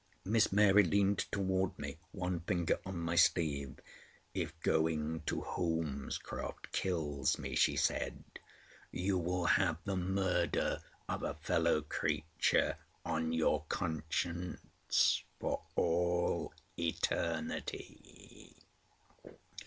Miss Mary leaned towards me, one finger on my sleeve. "If going to Holmescroft kills me," she said, "you will have the murder of a fellow creature on your conscience for all eternity."